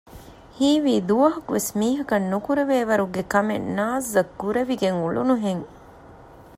ހީވީ ދުވަހަކުވެސް މީހަކަށް ނުކުރެވޭވަރުގެ ކަމެއް ނާޒްއަށް ކުރެވިގެން އުޅުނުހެން